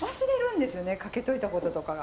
かけといたこととかが。